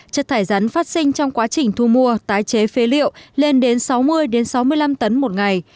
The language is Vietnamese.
chất thải rắn phát sinh trong quá trình thu mua tái chế phê liệu lên đến sáu mươi sáu mươi năm tấn một ngày